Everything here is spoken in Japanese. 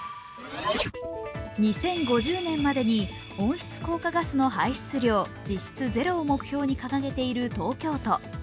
２０５０年までに温室効果ガス排出量実質ゼロを目標に掲げている東京都。